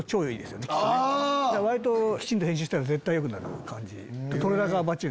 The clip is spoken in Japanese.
割ときちんと編集したら絶対よくなる感じ。